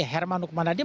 herman nukman nadi